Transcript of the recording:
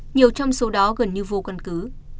nhiều trong số đó gần như vô cân cứ